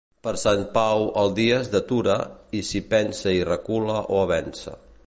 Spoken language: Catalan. Per Sant Pau el dia es detura i s'hi pensa i recula o avença.